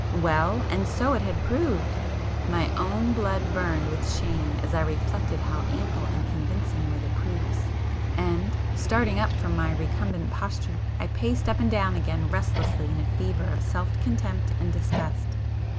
Well,—and so it had proved! My own blood burned with shame as I reflected how ample and convincing were the proofs!—and, starting up from my recumbent posture I paced up and down again restlessly in a fever of self contempt and disgust.